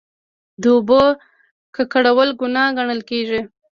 د اوبو ککړول ګناه ګڼل کیږي.